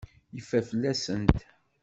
Yeffer fell-asent.